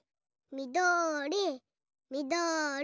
みどりみどり。